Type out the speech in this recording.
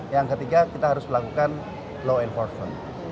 yang ketiga kita harus melakukan law enforcement